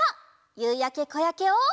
「ゆうやけこやけ」を。